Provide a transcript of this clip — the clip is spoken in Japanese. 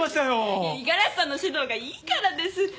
五十嵐さんの指導がいいからです。